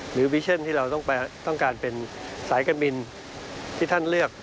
วิเช่นที่เราต้องการเป็นสายการบินที่ท่านเลือก